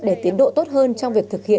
để tiến độ tốt hơn trong việc thực hiện